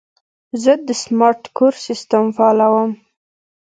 زه د سمارټ کور سیسټم فعالوم.